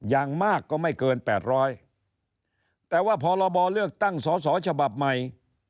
อย่างมากก็ไม่เกิน๘๐๐แต่ว่าพรบเลือกตั้งสอสอฉบับใหม่